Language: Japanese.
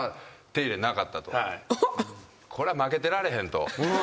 これは負けてられへんと。